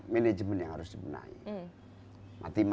manajemen yang harus dimenangi